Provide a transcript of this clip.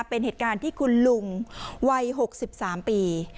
เป็นเหตุการณ์ที่คุณลุงวัย๖๓ปี